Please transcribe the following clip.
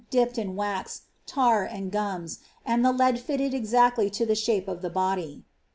dipped in wax, tar, and gums, aitd tlie lead lilted eiacOy to the shape of the body.